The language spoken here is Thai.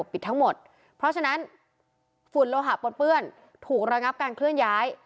เพราะฉะนั้นฝุ่นโลหะปนเปื้อนถูกระงับการเคลื่อนย้าย